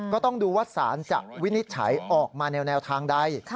ก็ต้องดูว่าสารจะวินิจฉัยออกมาแนวทางใด